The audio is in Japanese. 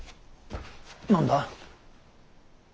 何だ。